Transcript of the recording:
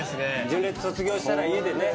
純烈卒業したら家でね